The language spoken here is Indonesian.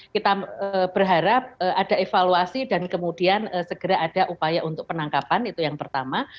kita berharap ada evaluasi dan kemudian segera ada upaya untuk penangkapan itu yang pertama